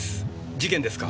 事件ですか？